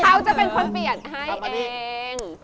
เขาจะเป็นคนเปลี่ยนให้เอง